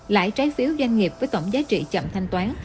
lãi trái phiếu doanh nghiệp với tổng giá trị chậm thanh toán